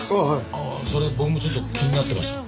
それ僕もちょっと気になってました。